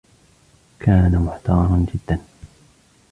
كان محتارا جدا.